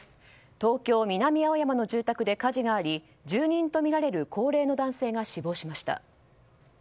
東京・南青山の住宅で火事があり住人とみられる高齢の男性が死亡しました。